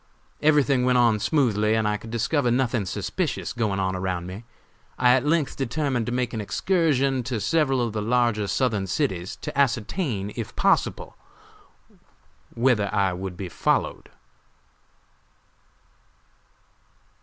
Every thing went on smoothly, and I could discover nothing suspicious going on around me. I at length determined to make an excursion to several of the large Southern cities, to ascertain, if possible, whether I would be followed.